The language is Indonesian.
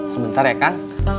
sebentar ya kak